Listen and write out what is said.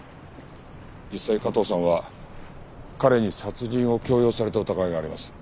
実際加藤さんは彼に殺人を強要された疑いがあります。